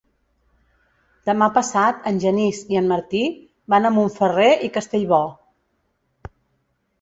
Demà passat en Genís i en Martí van a Montferrer i Castellbò.